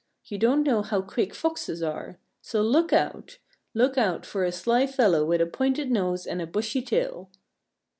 You don't know how quick Foxes are. So look out! Look out for a sly fellow with a pointed nose and a bushy tail!"